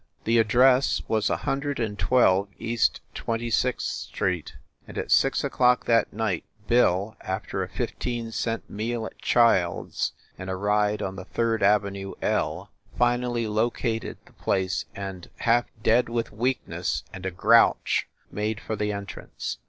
The address was a hundred and twelve East Twenty sixth Street, and at six o clock that night Bill, after a fifteen cent meal at Child s and a ride on the Third Avenue "L," finally located the place and, half dead with weakness and a grouch, made for the entrance.